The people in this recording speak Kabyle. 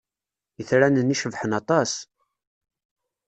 Itran-nni cebḥen aṭas!